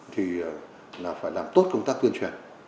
thì là phải làm tốt công tác tuyên truyền